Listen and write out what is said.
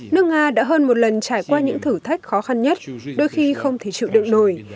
nước nga đã hơn một lần trải qua những thử thách khó khăn nhất đôi khi không thể chịu được nổi